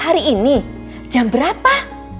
hari ini jam berapa